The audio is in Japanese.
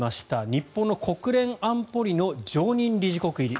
日本の国連安保理の常任理事国入り。